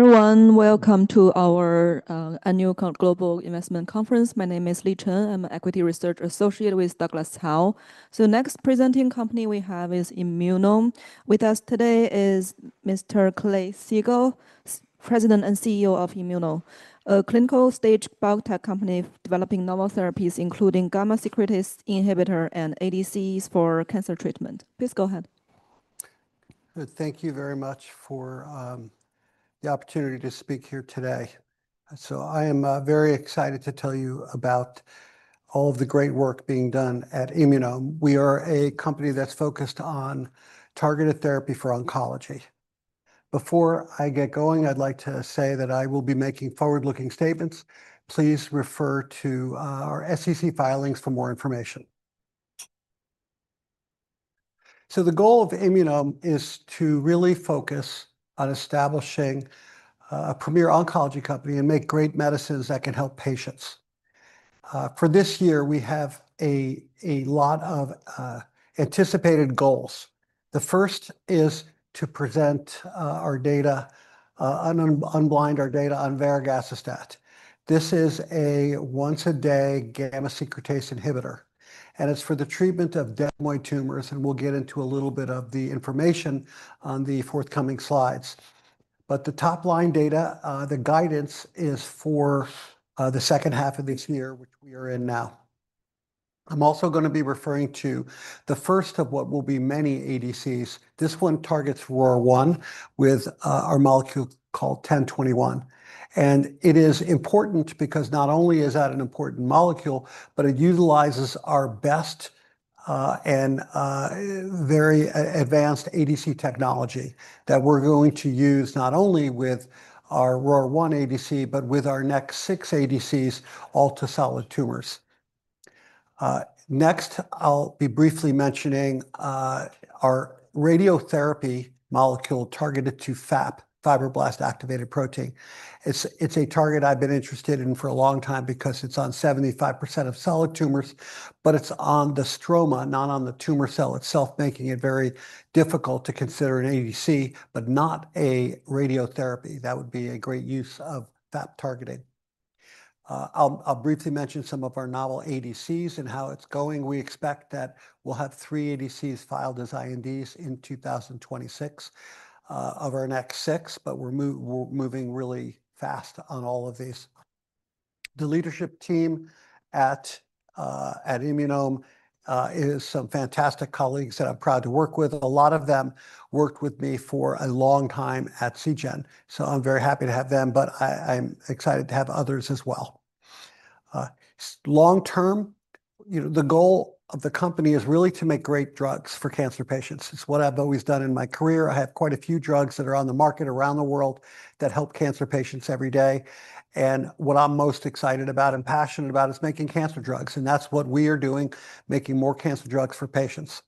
Everyone, welcome to our Annual Global Investment Conference. My name is Li Chen. I'm an equity research associate with Douglas Howe The next presenting company we have is Immunome. With us today is Mr. Clay Siegall, President and CEO of Immunome, a clinical stage biotech company developing novel therapies, including gamma secretase inhibitor and ADCs for cancer treatment. Please go ahead. Thank you very much for the opportunity to speak here today. So I am very excited to tell you about all of the great work being done at Immunome. We are a company that's focused on targeted therapy for oncology. Before I get going, I'd like to say that I will be making forward-looking statements. Please refer to our SEC filings for more information. So the goal of Immunome is to really focus on establishing a premier oncology company and make great medicines that can help patients. For this year, we have a lot of anticipated goals. The first is to present our data, unblind our data on varegacestat. This is a once-a-day gamma secretase inhibitor, and it's for the treatment of desmoid tumors. And we'll get into a little bit of the information on the forthcoming slides. The top-line data, the guidance, is for the second half of this year, which we are in now. I'm also going to be referring to the first of what will be many ADCs. This one targets ROR1 with our molecule called 1021. And it is important because not only is that an important molecule, but it utilizes our best and very advanced ADC technology that we're going to use not only with our ROR1 ADC, but with our next six ADCs all to solid tumors. Next, I'll be briefly mentioning our radiotherapy molecule targeted to FAP, fibroblast activation protein. It's a target I've been interested in for a long time because it's on 75% of solid tumors, but it's on the stroma, not on the tumor cell itself, making it very difficult to consider an ADC, but not a radiotherapy. That would be a great use of FAP targeting. I'll briefly mention some of our novel ADCs and how it's going. We expect that we'll have three ADCs filed as INDs in 2026 of our next six, but we're moving really fast on all of these. The leadership team at Immunome is some fantastic colleagues that I'm proud to work with. A lot of them worked with me for a long time at Seagen, so I'm very happy to have them, but I'm excited to have others as well. Long-term, the goal of the company is really to make great drugs for cancer patients. It's what I've always done in my career. I have quite a few drugs that are on the market around the world that help cancer patients every day, and what I'm most excited about and passionate about is making cancer drugs, and that's what we are doing, making more cancer drugs for patients.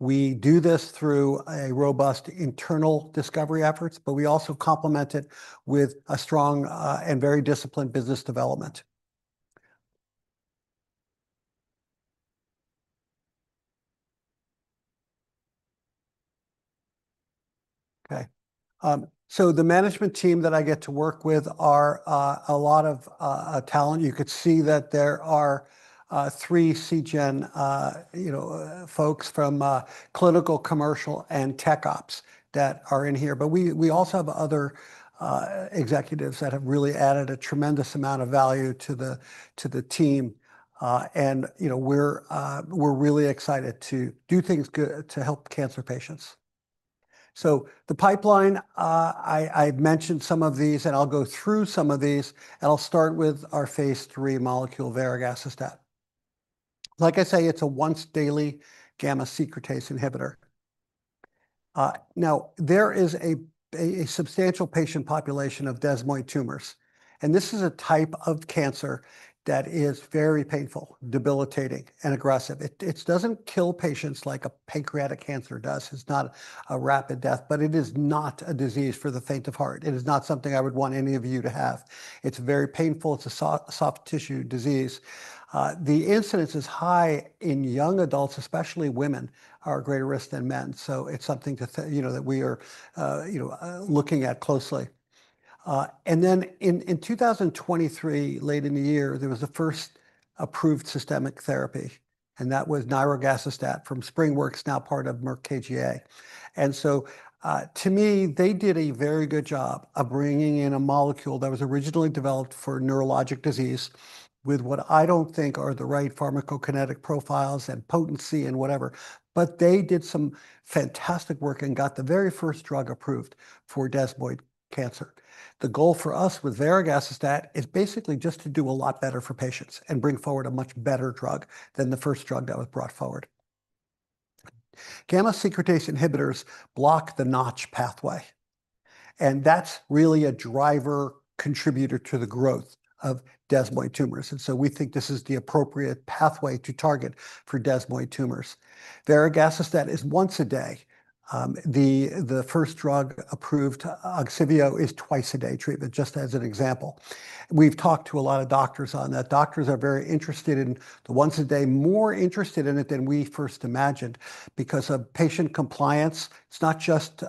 We do this through robust internal discovery efforts, but we also complement it with a strong and very disciplined business development. Okay. So the management team that I get to work with are a lot of talent. You could see that there are three Seagen folks from clinical, commercial, and tech ops that are in here. But we also have other executives that have really added a tremendous amount of value to the team. And we're really excited to do things good to help cancer patients. So the pipeline, I mentioned some of these, and I'll go through some of these. And I'll start with our phase III molecule, AL102. Like I say, it's a once-daily gamma secretase inhibitor. Now, there is a substantial patient population of desmoid tumors. And this is a type of cancer that is very painful, debilitating, and aggressive. It doesn't kill patients like pancreatic cancer does. It's not a rapid death, but it is not a disease for the faint of heart. It is not something I would want any of you to have. It's very painful. It's a soft tissue disease. The incidence is high in young adults, especially women, are at greater risk than men, so it's something that we are looking at closely, and then in 2023, late in the year, there was the first approved systemic therapy, and that was nirogacestat from SpringWorks, now part of Merck KGaA, and so to me, they did a very good job of bringing in a molecule that was originally developed for neurologic disease with what I don't think are the right pharmacokinetic profiles and potency and whatever, but they did some fantastic work and got the very first drug approved for desmoid cancer. The goal for us with AL102 is basically just to do a lot better for patients and bring forward a much better drug than the first drug that was brought forward. Gamma secretase inhibitors block the Notch pathway, and that's really a driver contributor to the growth of desmoid tumors, and so we think this is the appropriate pathway to target for desmoid tumors. AL102 is once a day. The first drug approved, Ogsiveo, is twice-a-day treatment, just as an example. We've talked to a lot of doctors on that. Doctors are very interested in the once-a-day, more interested in it than we first imagined because of patient compliance. It's not just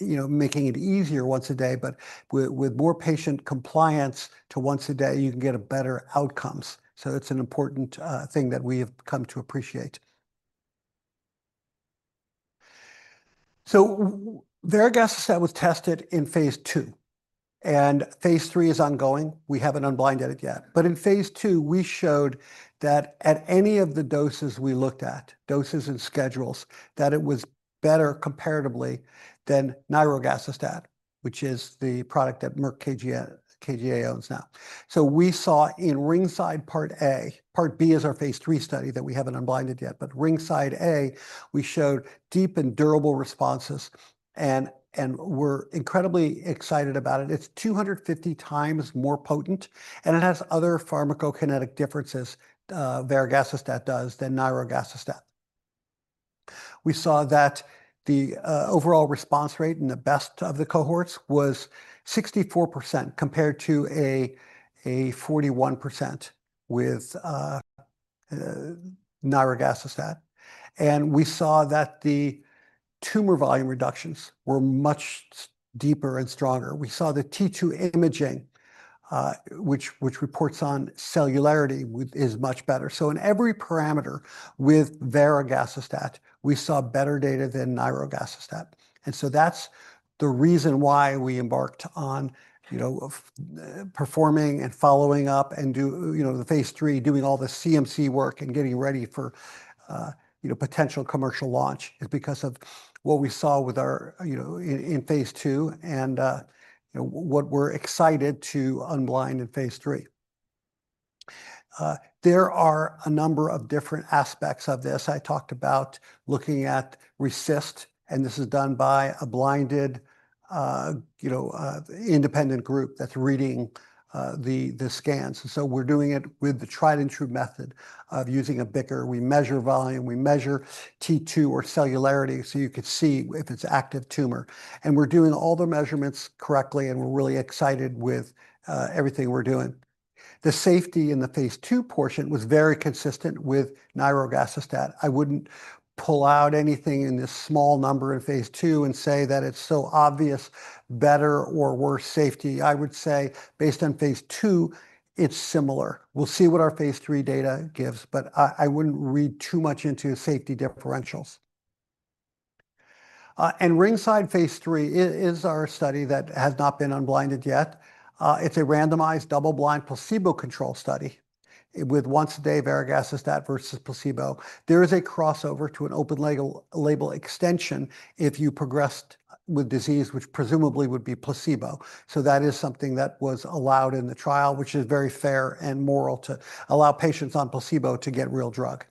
making it easier once a day, but with more patient compliance to once a day, you can get better outcomes, so it's an important thing that we have come to appreciate. So varegacestat was tested in phase II, and phase III is ongoing. We haven't unblinded it yet. But in phase II, we showed that at any of the doses we looked at, doses and schedules, that it was better comparatively than nirogacestat, which is the product that Merck KGaA owns now. So we saw in RINGSIDE part A, part B is our phase III study that we haven't unblinded yet. But RINGSIDE A, we showed deep and durable responses and were incredibly excited about it. It's 250 times more potent, and it has other pharmacokinetic differences varegacestat does than nirogacestat. We saw that the overall response rate in the best of the cohorts was 64% compared to a 41% with nirogacestat. And we saw that the tumor volume reductions were much deeper and stronger. We saw the T2 imaging, which reports on cellularity, is much better. So in every parameter with varegacestat, we saw better data than nirogacestat. And so that's the reason why we embarked on performing and following up and do the phase III, doing all the CMC work and getting ready for potential commercial launch is because of what we saw in phase II and what we're excited to unblind in phase III. There are a number of different aspects of this. I talked about looking at RECIST, and this is done by a blinded independent group that's reading the scans. So we're doing it with the tried-and-true method of using BICR. We measure volume. We measure T2 or cellularity so you could see if it's active tumor. And we're doing all the measurements correctly, and we're really excited with everything we're doing. The safety in the phase II portion was very consistent with nirogacestat. I wouldn't pull out anything in this small number in phase II and say that it's so obvious better or worse safety. I would say based on phase II, it's similar. We'll see what our phase III data gives, but I wouldn't read too much into safety differentials. And RINGSIDE phase III is our study that has not been unblinded yet. It's a randomized double-blind placebo-controlled study with once-a-day varegacestat versus placebo. There is a crossover to an open-label extension if you progressed with disease, which presumably would be placebo. So that is something that was allowed in the trial, which is very fair and moral to allow patients on placebo to get real drug.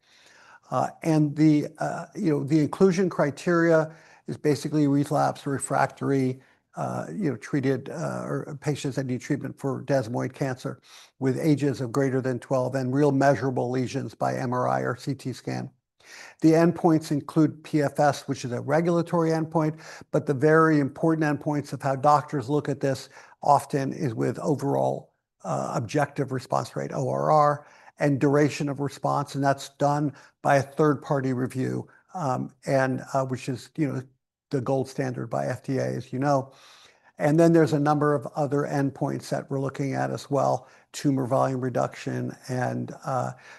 And the inclusion criteria is basically relapsed, refractory, treated patients that need treatment for desmoid cancer with ages of greater than 12 and real measurable lesions by MRI or CT scan. The endpoints include PFS, which is a regulatory endpoint, but the very important endpoints of how doctors look at this often is with overall objective response rate, ORR, and duration of response, and that's done by a third-party review, which is the gold standard by FDA, as you know, and then there's a number of other endpoints that we're looking at as well: tumor volume reduction and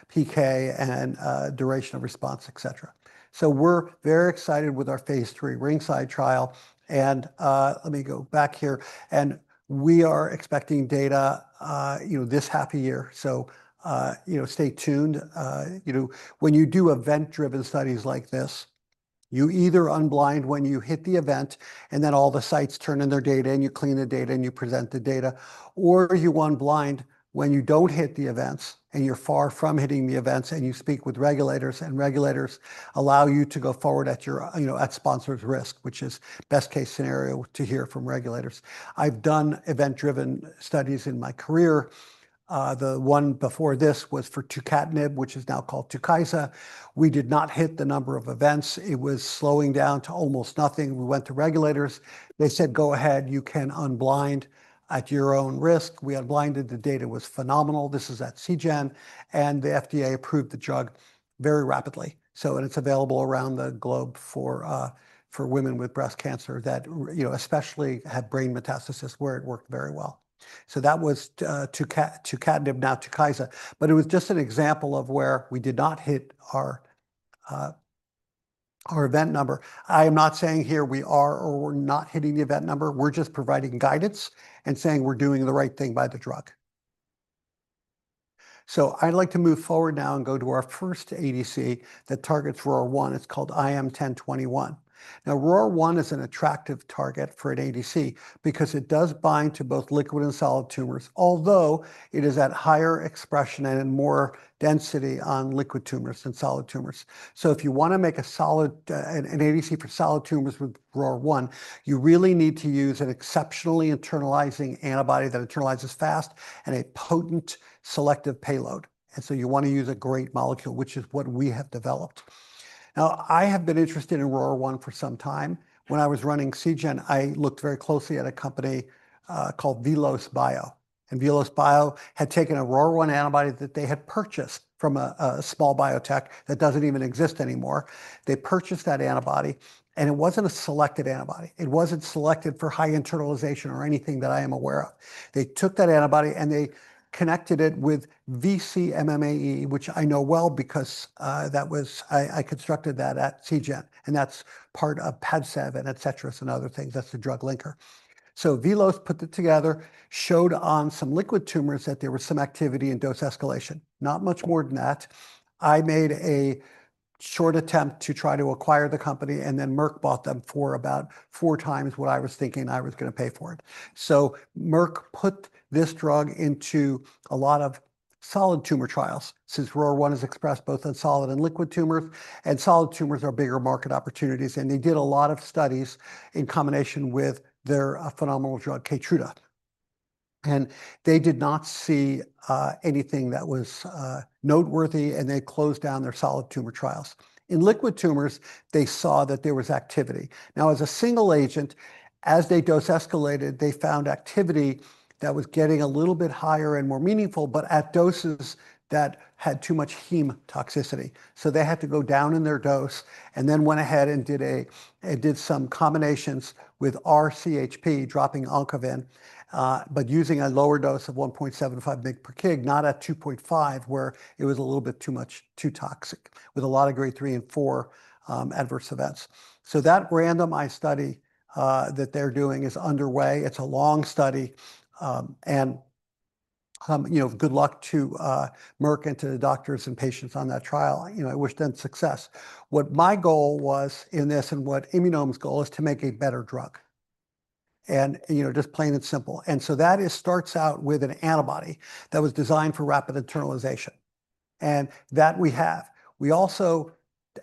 PK and duration of response, et cetera, so we're very excited with our phase III RINGSIDE trial, and let me go back here, and we are expecting data this half year, so stay tuned. When you do event-driven studies like this, you either unblind when you hit the event, and then all the sites turn in their data and you clean the data and you present the data, or you unblind when you don't hit the events and you're far from hitting the events and you speak with regulators, and regulators allow you to go forward at sponsor's risk, which is best-case scenario to hear from regulators. I've done event-driven studies in my career. The one before this was for tucatinib, which is now called Tukysa. We did not hit the number of events. It was slowing down to almost nothing. We went to regulators. They said, "Go ahead. You can unblind at your own risk." We unblinded. The data was phenomenal. This is at Seagen. The FDA approved the drug very rapidly. So it's available around the globe for women with breast cancer that especially have brain metastasis where it worked very well. So that was tucatinib, now Tukysa. But it was just an example of where we did not hit our event number. I am not saying here we are or we're not hitting the event number. We're just providing guidance and saying we're doing the right thing by the drug. So I'd like to move forward now and go to our first ADC that targets ROR1. It's called IM1021. Now, ROR1 is an attractive target for an ADC because it does bind to both liquid and solid tumors, although it is at higher expression and more density on liquid tumors than solid tumors. So if you want to make an ADC for solid tumors with ROR1, you really need to use an exceptionally internalizing antibody that internalizes fast and a potent selective payload. And so you want to use a great molecule, which is what we have developed. Now, I have been interested in ROR1 for some time. When I was running Seagen, I looked very closely at a company called VelosBio. And VelosBio had taken a ROR1 antibody that they had purchased from a small biotech that doesn't even exist anymore. They purchased that antibody, and it wasn't a selected antibody. It wasn't selected for high internalization or anything that I am aware of. They took that antibody and they connected it with vcMMAE, which I know well because I constructed that at Seagen. And that's part of Padcev, et cetera, and other things. That's the drug linker. So Velos put it together, showed on some liquid tumors that there was some activity in dose escalation. Not much more than that. I made a short attempt to try to acquire the company, and then Merck bought them for about four times what I was thinking I was going to pay for it. So Merck put this drug into a lot of solid tumor trials since ROR1 is expressed both in solid and liquid tumors. And solid tumors are bigger market opportunities. And they did a lot of studies in combination with their phenomenal drug Keytruda. And they did not see anything that was noteworthy, and they closed down their solid tumor trials. In liquid tumors, they saw that there was activity. Now, as a single agent, as they dose escalated, they found activity that was getting a little bit higher and more meaningful, but at doses that had too much hematologic toxicity. So they had to go down in their dose and then went ahead and did some combinations with R-CHP, dropping Oncovin, but using a lower dose of 1.75 mg per kg, not at 2.5, where it was a little bit too much, too toxic with a lot of grade three and four adverse events. So that randomized study that they're doing is underway. It's a long study. And good luck to Merck and to the doctors and patients on that trial. I wish them success. What my goal was in this and what Immunome's goal is to make a better drug, just plain and simple. And so that starts out with an antibody that was designed for rapid internalization. That we have. We also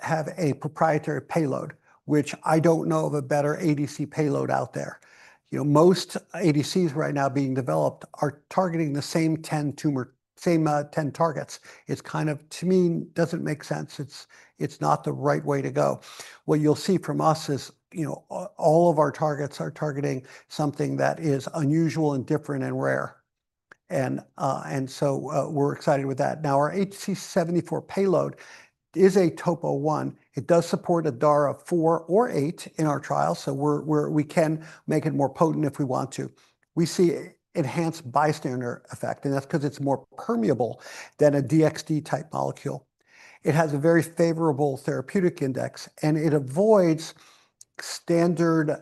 have a proprietary payload, which I don't know of a better ADC payload out there. Most ADCs right now being developed are targeting the same 10 targets. It's kind of, to me, doesn't make sense. It's not the right way to go. What you'll see from us is all of our targets are targeting something that is unusual and different and rare. So we're excited with that. Now, our HC-74 payload is a Topo I. It does support a DAR 4 or 8 in our trial. So we can make it more potent if we want to. We see enhanced bystander effect, and that's because it's more permeable than a DXD type molecule. It has a very favorable therapeutic index, and it avoids standard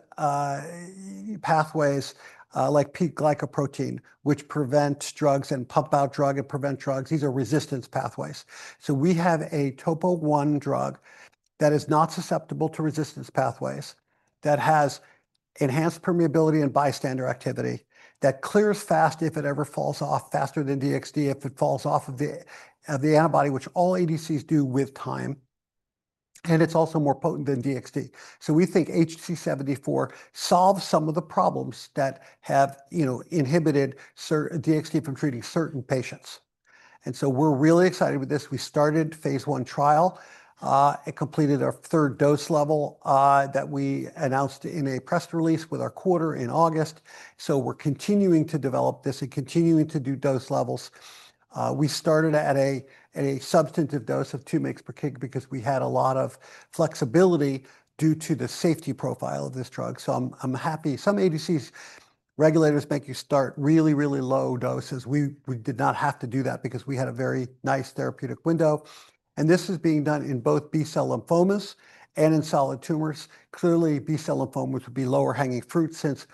pathways like P-glycoprotein, which prevent drugs and pump out drug and prevent drugs. These are resistance pathways. So we have a Topo I drug that is not susceptible to resistance pathways, that has enhanced permeability and bystander activity, that clears fast if it ever falls off, faster than DXD if it falls off of the antibody, which all ADCs do with time. And it's also more potent than DXD. So we think HC-74 solves some of the problems that have inhibited DXD from treating certain patients. And so we're really excited with this. We started phase 1 trial. It completed our third dose level that we announced in a press release with our quarter in August. So we're continuing to develop this and continuing to do dose levels. We started at a substantive dose of 2 mg per kg because we had a lot of flexibility due to the safety profile of this drug. So I'm happy. Some ADCs, regulators make you start really, really low doses. We did not have to do that because we had a very nice therapeutic window. And this is being done in both B-cell lymphomas and in solid tumors. Clearly, B-cell lymphomas would be lower hanging fruit since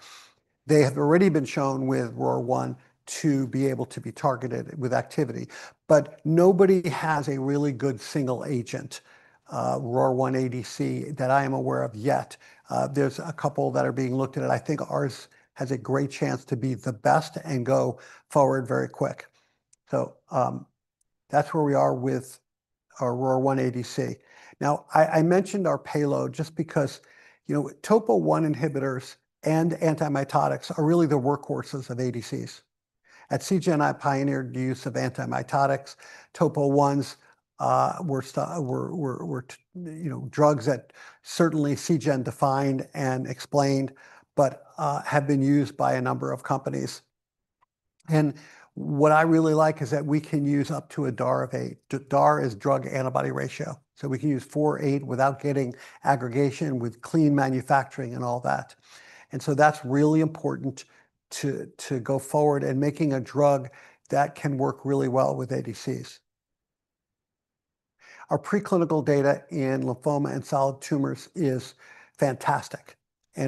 they have already been shown with ROR1 to be able to be targeted with activity. But nobody has a really good single agent, ROR1 ADC, that I am aware of yet. There's a couple that are being looked at. I think ours has a great chance to be the best and go forward very quick. So that's where we are with our ROR1 ADC. Now, I mentioned our payload just because Topo I inhibitors and antimitotics are really the workhorses of ADCs. At Seagen, I pioneered the use of antimitotics. Topo Is were drugs that certainly Seagen defined and explained but have been used by a number of companies. What I really like is that we can use up to a DAR of 8. DAR is drug-antibody ratio. We can use 4, 8 without getting aggregation with clean manufacturing and all that. That's really important to go forward in making a drug that can work really well with ADCs. Our preclinical data in lymphoma and solid tumors is fantastic.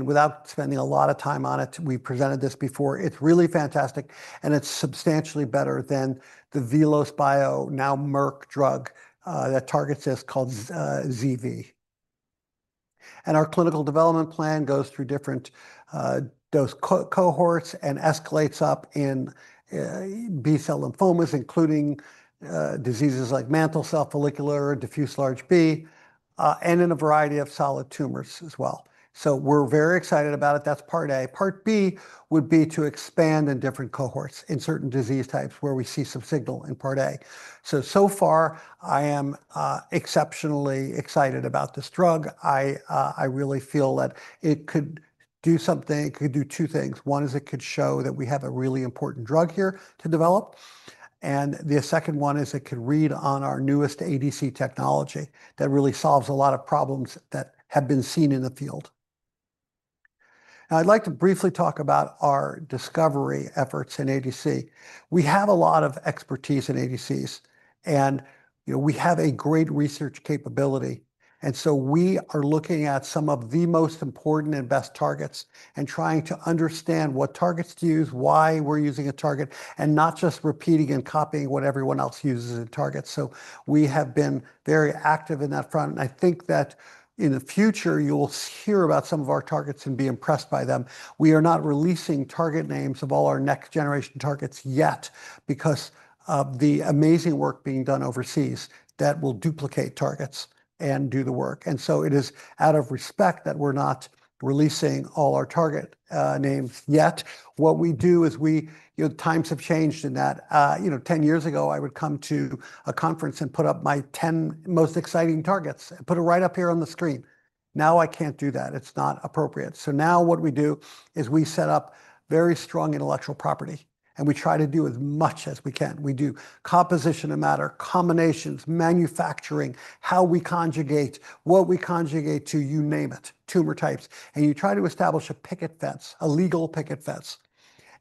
Without spending a lot of time on it, we presented this before. It's really fantastic, and it's substantially better than the VelosBio, now Merck drug that targets this called ZV. Our clinical development plan goes through different dose cohorts and escalates up in B-cell lymphomas, including diseases like mantle cell, follicular, diffuse large B, and in a variety of solid tumors as well. We're very excited about it. That's part A. Part B would be to expand in different cohorts in certain disease types where we see some signal in part A. So far, I am exceptionally excited about this drug. I really feel that it could do something. It could do two things. One is it could show that we have a really important drug here to develop. And the second one is it could read on our newest ADC technology that really solves a lot of problems that have been seen in the field. Now, I'd like to briefly talk about our discovery efforts in ADC. We have a lot of expertise in ADCs, and we have a great research capability. And so we are looking at some of the most important and best targets and trying to understand what targets to use, why we're using a target, and not just repeating and copying what everyone else uses in targets. So we have been very active in that front. And I think that in the future, you will hear about some of our targets and be impressed by them. We are not releasing target names of all our next-generation targets yet because of the amazing work being done overseas that will duplicate targets and do the work. And so it is out of respect that we're not releasing all our target names yet. What we do is times have changed in that. Ten years ago, I would come to a conference and put up my 10 most exciting targets and put it right up here on the screen. Now I can't do that. It's not appropriate. So now what we do is we set up very strong intellectual property, and we try to do as much as we can. We do composition of matter, combinations, manufacturing, how we conjugate, what we conjugate to, you name it, tumor types. And you try to establish a picket fence, a legal picket fence.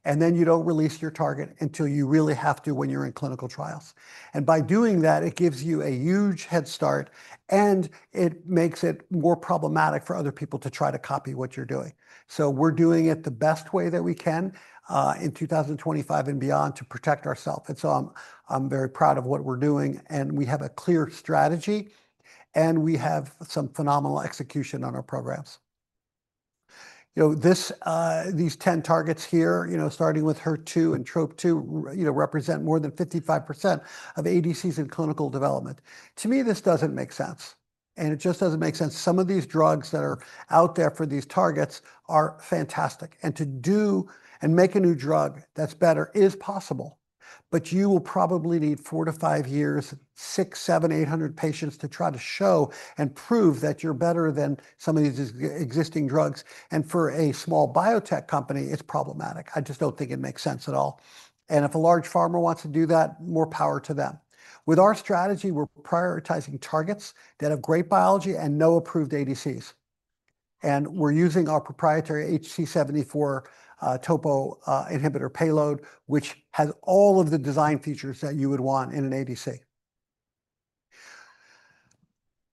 And then you don't release your target until you really have to when you're in clinical trials. And by doing that, it gives you a huge head start, and it makes it more problematic for other people to try to copy what you're doing. So we're doing it the best way that we can in 2025 and beyond to protect ourselves. And so I'm very proud of what we're doing, and we have a clear strategy, and we have some phenomenal execution on our programs. These 10 targets here, starting with HER2 and TROP2, represent more than 55% of ADCs in clinical development. To me, this doesn't make sense. And it just doesn't make sense. Some of these drugs that are out there for these targets are fantastic. And to do and make a new drug that's better is possible. But you will probably need four to five years, six, seven, eight hundred patients to try to show and prove that you're better than some of these existing drugs. And for a small biotech company, it's problematic. I just don't think it makes sense at all. And if a large pharma wants to do that, more power to them. With our strategy, we're prioritizing targets that have great biology and no approved ADCs. And we're using our proprietary HC-74 topo inhibitor payload, which has all of the design features that you would want in an ADC.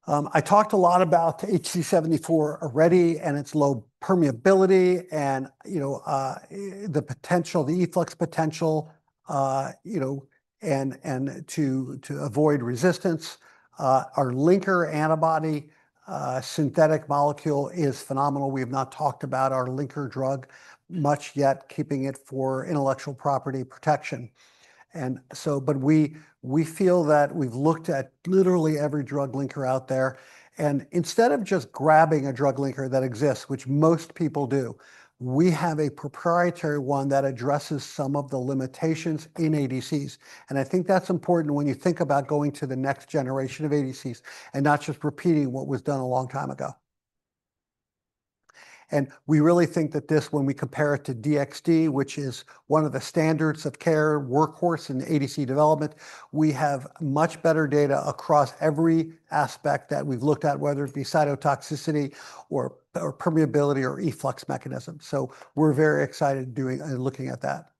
I talked a lot about HC-74 already and its low permeability and the potential, the efflux potential, and to avoid resistance. Our linker antibody synthetic molecule is phenomenal. We have not talked about our linker drug much yet, keeping it for intellectual property protection. And so, but we feel that we've looked at literally every drug linker out there. And instead of just grabbing a drug linker that exists, which most people do, we have a proprietary one that addresses some of the limitations in ADCs. And I think that's important when you think about going to the next generation of ADCs and not just repeating what was done a long time ago. And we really think that this, when we compare it to DXD, which is one of the standards of care, workhorse, and ADC development, we have much better data across every aspect that we've looked at, whether it be cytotoxicity or permeability or efflux mechanism. So we're very excited and looking at that.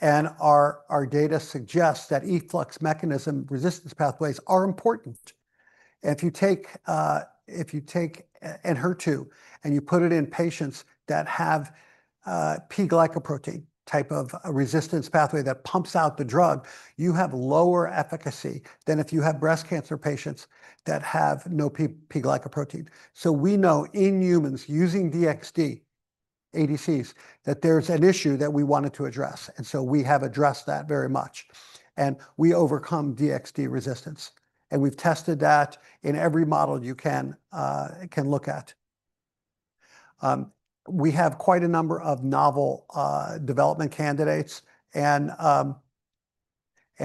And our data suggests that efflux mechanism resistance pathways are important. And if you take HER2 and you put it in patients that have P-glycoprotein type of a resistance pathway that pumps out the drug, you have lower efficacy than if you have breast cancer patients that have no P-glycoprotein. So we know in humans using DXD ADCs that there's an issue that we wanted to address. And so we have addressed that very much. And we overcome DXD resistance. And we've tested that in every model you can look at. We have quite a number of novel development candidates, and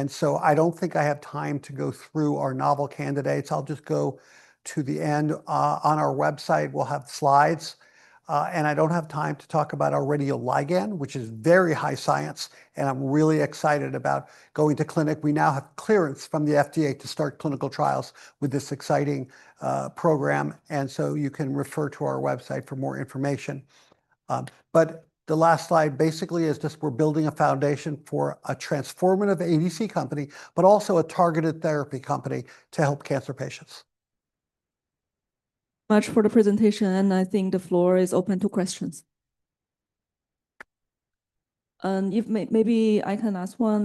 so I don't think I have time to go through our novel candidates. I'll just go to the end. On our website, we'll have slides, and I don't have time to talk about our radioligand, which is very high science, and I'm really excited about going to clinic. We now have clearance from the FDA to start clinical trials with this exciting program, and so you can refer to our website for more information, but the last slide basically is just we're building a foundation for a transformative ADC company, but also a targeted therapy company to help cancer patients. Thank you for the presentation. I think the floor is open to questions. Maybe I can ask one.